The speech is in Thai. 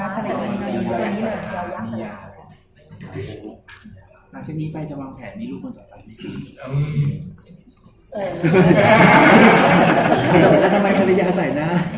เพราะฉะนี้ไปจะวางแผ่นบริการรูปคนสายฟันนี่